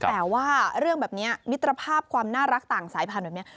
แต่ว่าเรื่องแบบนี้มิตรภาพความน่ารักต่างสายพันธุ์แบบนี้